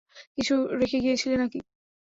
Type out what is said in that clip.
কিছু রেখে গিয়েছিলে নাকি?